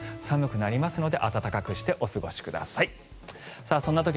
寒くなりますので暖かくしてお過ごしください。